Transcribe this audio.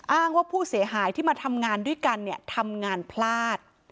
อ้างว่าผู้เสียหายที่มาทำงานด้วยกันเนี่ยทำงานพลาด